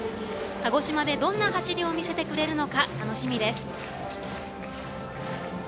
鹿児島で、どんな走りを見せてくれるのか楽しみです。